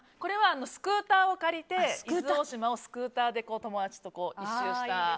スクーターを借りて伊豆大島をスクーターで友達と１周したり。